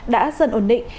đã dần ổn định